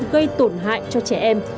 gây tổn hại cho trẻ em